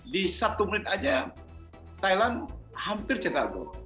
di satu menit saja thailand hampir cetak go